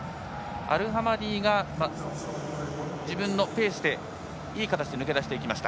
アルハマディが自分のペースでいい形で抜け出していきました。